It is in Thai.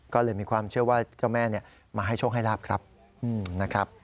ก็เลยมีความเชื่อว่าเจ้าแม่มาให้โชคให้ลาบครับนะครับ